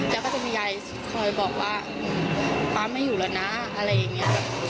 แล้วก็จะมียายคอยบอกว่าป๊าไม่อยู่แล้วนะอะไรอย่างนี้